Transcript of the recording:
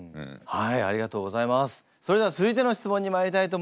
はい！